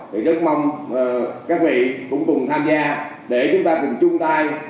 thì rất mong các vị cũng cùng tham gia để chúng ta cùng chung tay